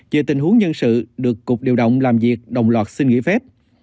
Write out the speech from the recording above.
về tình huống nhân sự được cục điều động làm việc đồng loạt xin nghỉ phép